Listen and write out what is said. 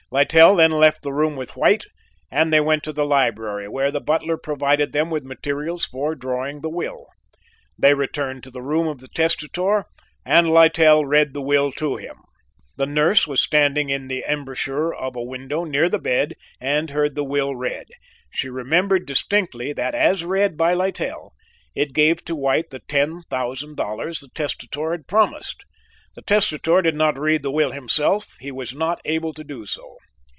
Littell then left the room with White, and they went to the library, where the butler provided them with materials for drawing the will. They returned to the room of the testator and Littell read the will to him. The nurse was standing in the embrasure of a window near the bed and heard the will read. She remembered distinctly that as read by Littell it gave to White the ten thousand dollars the testator had promised. The testator did not read the will himself, he was not able to do so.